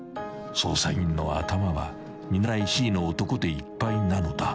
［捜査員の頭は見習いＣの男でいっぱいなのだ］